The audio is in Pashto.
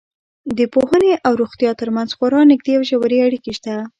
د پوهنې او روغتیا تر منځ خورا نږدې او ژورې اړیکې شته.